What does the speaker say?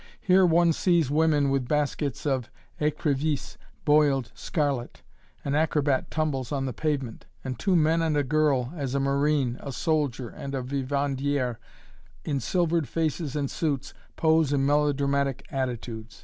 Here one sees women with baskets of écrivisse boiled scarlet; an acrobat tumbles on the pavement, and two men and a girl, as a marine, a soldier, and a vivandière, in silvered faces and suits, pose in melodramatic attitudes.